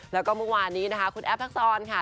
แล้วก็เมื่อวานนี้นะคะคุณแอฟทักษรค่ะ